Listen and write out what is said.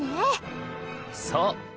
そう。